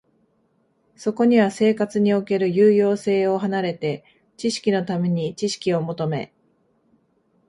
そこには生活における有用性を離れて、知識のために知識を求め、